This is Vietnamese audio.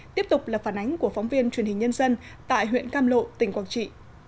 tiếp tục là phản ánh của phóng viên truyền hình nhân dân tại huyện cam lộ tỉnh quảng trị